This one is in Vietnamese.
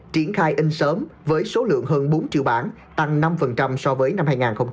triển khai in sớm với số lượng hơn bốn triệu bản tăng năm so với năm hai nghìn một mươi tám